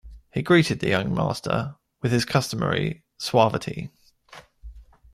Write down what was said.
He greeted the young master with his customary suavity.